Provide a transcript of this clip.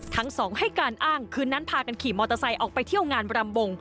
ทั้งสองให้การอ้างคืนนั้นพากันขี่มอเตอร์ไซค์ออกไปเที่ยวงานรำวง